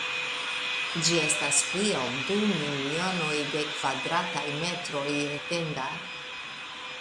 Ĝi estas pli ol du milionoj de kvadrataj metroj etenda.